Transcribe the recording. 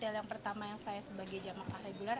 yang pertama yang saya sebagai jamaah reguler